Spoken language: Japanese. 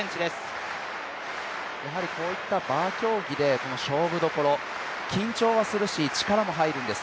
やはりこういったバー競技で勝負どころ緊張はするし、力も入るんです。